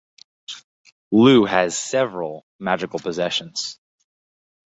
Lugh has several magical possessions.